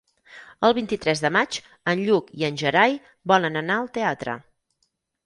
El vint-i-tres de maig en Lluc i en Gerai volen anar al teatre.